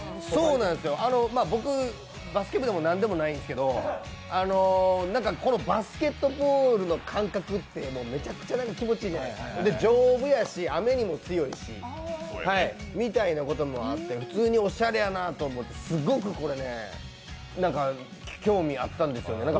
僕、バスケ部でも何でもないんですけど、このバスケットボールの感覚ってめちゃくちゃ気持ちいいじゃないですか丈夫やし、雨にも強いしみたいなこともあって普通におしゃれやなと思って、すごく興味あったんです。